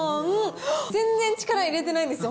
全然力入れてないんですよ。